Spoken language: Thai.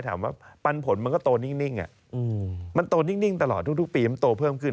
ถามว่าปันผลก็โตนิ่งมันโตนิ่งตลอดทุกปีก็โตเพิ่มขึ้น